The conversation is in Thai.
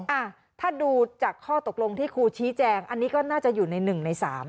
อ่าถ้าดูจากข้อตกลงที่ครูชี้แจงอันนี้ก็น่าจะอยู่ในหนึ่งในสาม